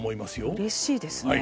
うれしいですね。